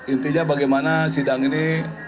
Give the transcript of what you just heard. intinya bagaimana sidang ini